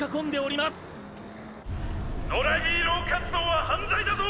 野良ヒーロー活動は犯罪だぞ！